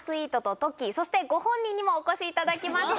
そしてご本人にもお越しいただきました。